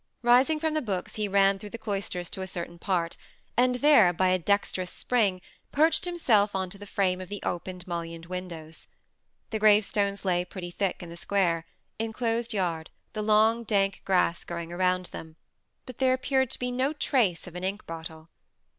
Rising from the books he ran through the cloisters to a certain part, and there, by a dexterous spring, perched himself on to the frame of the open mullioned windows. The gravestones lay pretty thick in the square, enclosed yard, the long, dank grass growing around them; but there appeared to be no trace of an ink bottle.